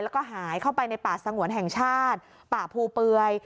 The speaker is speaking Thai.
แล้วก็หายเข้าไปในป่าสงวนแห่งชาติป่าภูเปื่อย